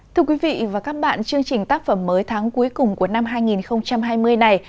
thưa quý vị và các bạn chương trình tác phẩm mới tháng cuối cùng của năm hai nghìn hai mươi này